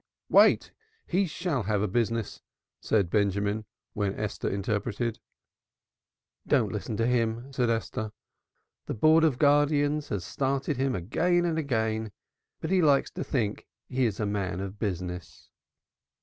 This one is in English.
"Wait! He shall have a business," said Benjamin when Esther interpreted. "Don't listen to him," said Esther. "The Board of Guardians has started him again and again. But he likes to think he is a man of business."